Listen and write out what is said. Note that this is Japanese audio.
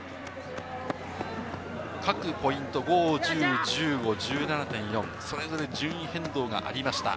各ポイント、５、１０、１５、１７．４、それぞれ順位変動がありました。